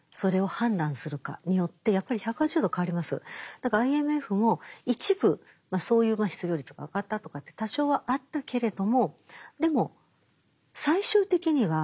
だからＩＭＦも一部そういう失業率が上がったとかって多少はあったけれどもでも最終的には鎮静化しましたよね